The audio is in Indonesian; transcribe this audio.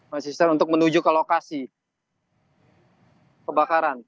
mas sister untuk menuju ke lokasi kebakaran